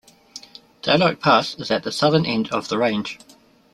Daylight Pass is at the southern end of the range.